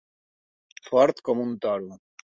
Fort com un toro.